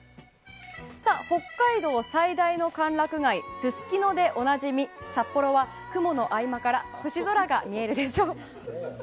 北海道最大の歓楽街、すすきのでおなじみ、札幌は雲の合間から星空が見えるでしょう。